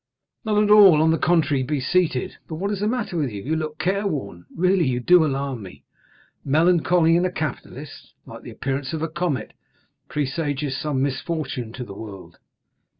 "Not at all; on the contrary, be seated; but what is the matter with you? You look careworn; really, you alarm me. Melancholy in a capitalist, like the appearance of a comet, presages some misfortune to the world."